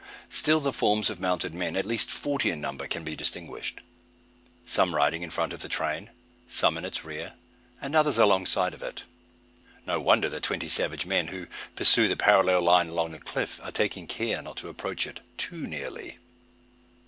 Still the forms of mounted men at least forty in number, can be distinguished. Some riding in front of the train, some in its rear, and others alongside of it. No wonder the twenty savage men, who pursue the parallel line along the cliff, are taking care not to approach it too nearly.